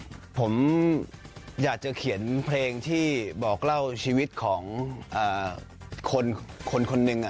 ผมอยากจะเขียนเพลงที่บอกเล่าชีวิตของคนคนหนึ่ง